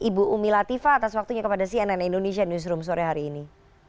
ibu umi latifa atas waktunya kepada cnn indonesia newsroom sore hari ini